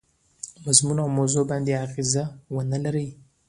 مضمون او موضوع باندي اغېزه ونه لري.